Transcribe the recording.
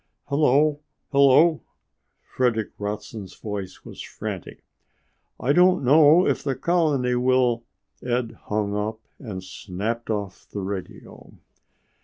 "Hello, hello." Frederick Watson's voice was frantic. "I don't know if the colony will " Ed hung up and snapped off the radio.